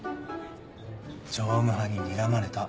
常務派ににらまれた。